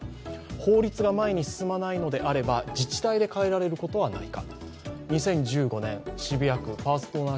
法律が前に進まないのであれば自治体で変えられることはないか。